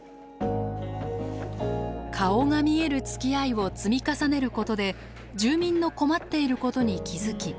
顔が見えるつきあいを積み重ねることで住民の困っていることに気付き